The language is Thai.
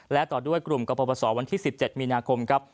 และต่อด้วยกลุ่มกรปศวันที่๑๗มีนาคมครับ